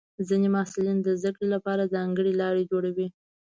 ځینې محصلین د زده کړې لپاره ځانګړې لارې جوړوي.